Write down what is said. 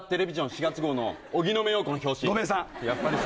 ４月号の荻野目洋子の表紙御明算